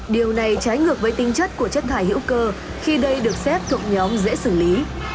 điều này trái ngược với tinh chất của chất thải hữu cơ khi đây được xét thuộc nhóm dễ xử lý